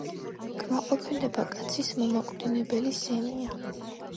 კმაყოფილება კაცის მომაკვდინებელი სენია.